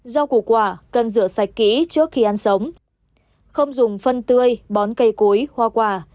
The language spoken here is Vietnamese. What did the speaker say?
rau củ quả cần rửa sạch kỹ trước khi ăn sống không dùng phân tươi bón cây cối hoa quả